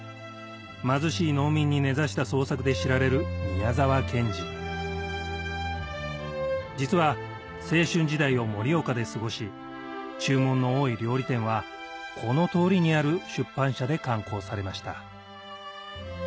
貧しい農民に根差した創作で知られる宮沢賢治実は青春時代を盛岡で過ごし『注文の多い料理店』はこの通りにある出版社で刊行されました